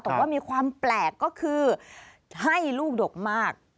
แต่ว่ามีความแปลกก็คือให้ลูกดกมาก